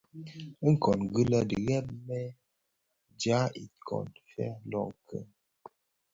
Nkongi lè bidheb më jaň i kiton fee loňkin.